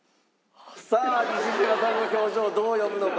さあ西島さんの表情どう読むのか。